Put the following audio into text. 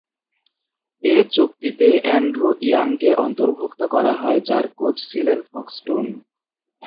এ চুক্তিতে অ্যান্ড্রু ইয়াংকে অন্তর্ভুক্ত করা হয়, যার কোচ ছিলেন ফক্সটন।